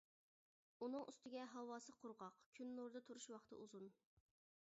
ئۇنىڭ ئۈستىگە ھاۋاسى قۇرغاق، كۈن نۇرىدا تۇرۇش ۋاقتى ئۇزۇن.